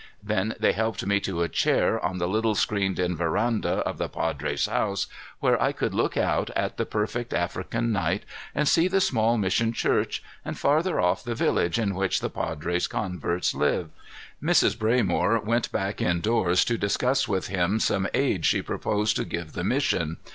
Then they helped me to a chair on the little screened in veranda of the padre's house, where I could look out at the perfect African night and see the small mission church, and farther off the village in which the padre's converts live. Mrs. Braymore went back indoors to discuss with him some aid she proposed to give the mission.